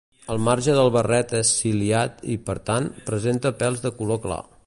El marge del barret és ciliat i, per tant, presenta pèls de color clar.